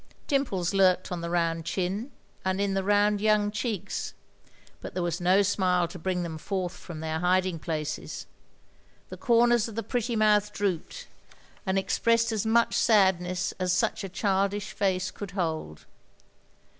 Dimples lurked on the rotmd chin, and in the rotmd young cheeks; but there was no smile to bring them forth from their hiding places; the comers of the pretty mouth drooped, and expressed as 8 THE LONELY LADY much sadness as such a childish face could hold.